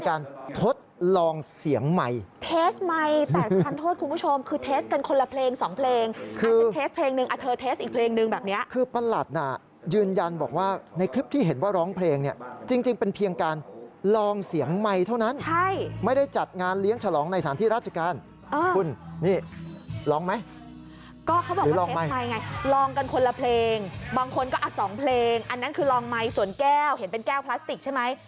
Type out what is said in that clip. ไม่ไงลองกันคนละเพลงบางคนก็อาจสองเพลงอันนั้นคือลองไมค์สวนแก้วเห็นเป็นแก้วพลาสติกใช่ไหม